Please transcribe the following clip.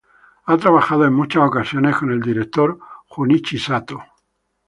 Ha trabajado en muchas ocasiones con el director Junichi Sato.